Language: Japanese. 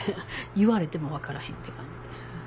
言われても分からへんって感じで。